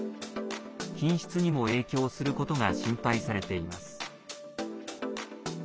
品質にも影響することが心配されています。